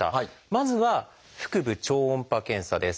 まずは「腹部超音波検査」です。